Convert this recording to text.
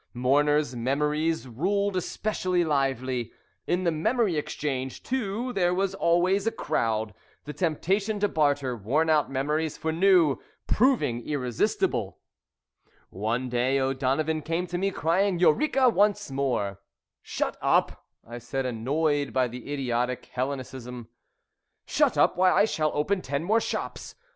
Mourners' memories ruled especially lively. In the Memory Exchange, too, there was always a crowd, the temptation to barter worn out memories for new proving irresistible. [Illustration: "WHEN THEIR OWNERS WERE AT THEIR LAST GASP."] One day O'Donovan came to me, crying "Eureka!" once more. "Shut up!" I said, annoyed by the idiotic Hellenicism. "Shut up! Why, I shall open ten more shops.